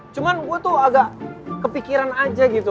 cuman gue tuh agak kepikiran aja gitu